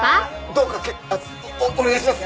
どうか結婚お願いします。